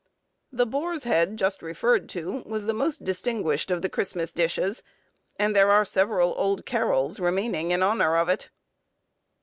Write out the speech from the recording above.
The boar's head just referred to was the most distinguished of the Christmas dishes, and there are several old carols remaining in honour of it.